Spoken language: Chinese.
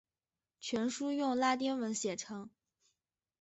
全书用拉丁文写成。